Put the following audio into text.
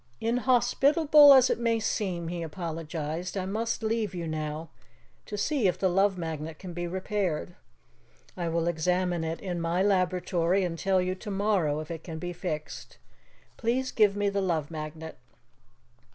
"Inhospitable as it may seem," he apologized, "I must leave you now to see if the Love Magnet can be repaired. I will examine it in my laboratory and tell you tomorrow if it can be fixed. Please give me the Love Magnet."